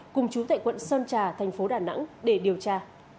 cùng chú tại quận sơn trà tp đà nẵng để điều tra